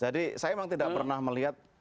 jadi saya memang tidak pernah melihat